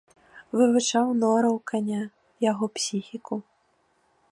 Вывучаў нораў каня, яго псіхіку.